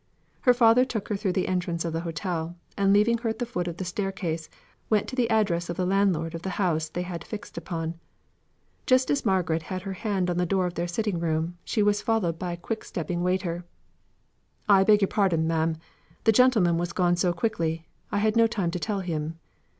Her father took her through the entrance of the hotel, and leaving her at the foot of the staircase, went to the address of the landlord of the house they had fixed upon. Just as Margaret had her hand on the door of their sitting room, she was followed by a quick stepping waiter: "I beg your pardon, ma'am. The gentleman was gone so quickly, I had no time to tell him.